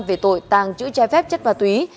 về tội tàng trữ trái phép chất ma túy